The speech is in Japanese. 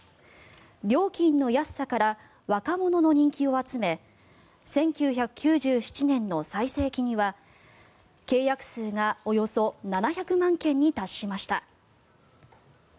料金の安さから若者の人気を集め１９９７年の最盛期には契約数がおよそ７００万件に達しました。